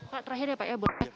pak terakhir ya pak ya